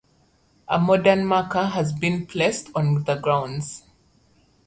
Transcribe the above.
A modern marker has been placed on the grounds.